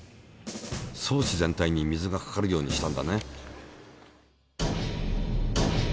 装置全体に水がかかるようにしたんだね。